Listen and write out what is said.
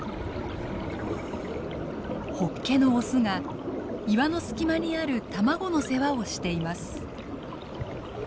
ホッケのオスが岩の隙間にある卵の世話をしています。